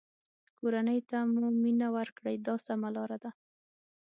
کورنۍ ته مو مینه ورکړئ دا سمه لاره ده.